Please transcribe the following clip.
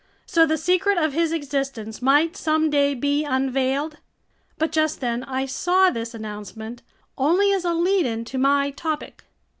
So the secret of his existence might someday be unveiled? But just then I saw this announcement only as a lead in to my topic.